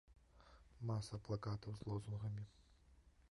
Маса плакатаў з лозунгамі.